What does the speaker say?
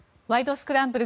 スクランブル」